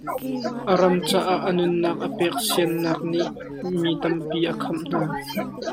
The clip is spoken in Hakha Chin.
A ram caah a nunnak a pek sian nak nih mi tampi a khamh hna.